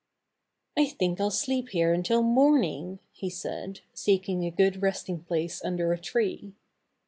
"I think I'll sleep here until morning," he said, seeking a good resting place under a tree.